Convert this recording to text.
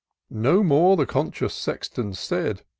No more the conscious Sexton said.